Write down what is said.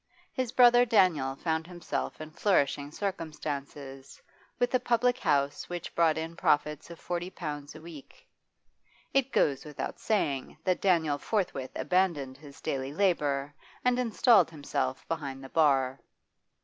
His brother Daniel found himself in flourishing circumstances, with a public house which brought in profits of forty pounds a week It goes without saying that Daniel forthwith abandoned his daily labour and installed himself behind the bar.